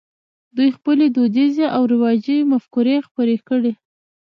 دوی خپلې دودیزې او رواجي مفکورې خپرې کړې.